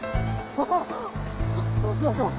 どうしましょう！？